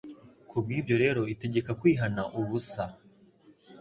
kubwibyo rero itegeka kwihana ubusa